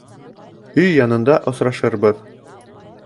Өй янында осрашырбыҙ